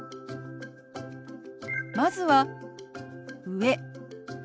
まずは「上」。